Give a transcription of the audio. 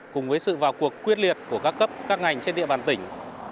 cùng với sự vào cuộc quyết liệt của các cấp các ngành trên địa bàn tỉnh